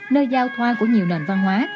nơi giao thoa của nhiều nền văn hóa